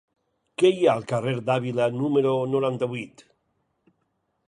Què hi ha al carrer d'Àvila número noranta-vuit?